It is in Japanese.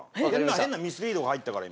変なミスリードが入ったから今。